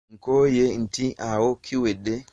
Ko ye nti awo kiwedde.